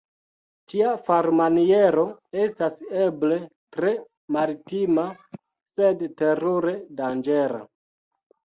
Tia farmaniero estas eble tre maltima, sed terure danĝera.